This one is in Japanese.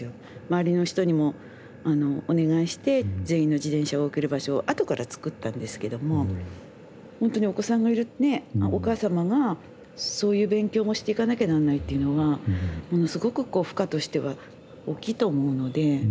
周りの人にもお願いして全員の自転車を置ける場所を後から作ったんですけどもほんとにお子さんがいるお母様がそういう勉強もしていかなきゃなんないというのはものすごくこう負荷としては大きいと思うので。